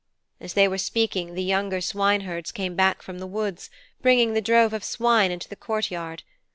As they were speaking the younger swineherds came back from the woods, bringing the drove of swine into the courtyard.